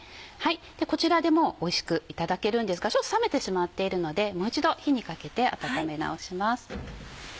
こちらでもうおいしくいただけるんですがちょっと冷めてしまっているのでもう一度火にかけて温め直します。